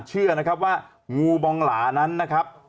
เชื่อนะครับว่างูบองหลานั้นนะครับ